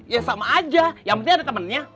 ya sama aja yang penting ada temennya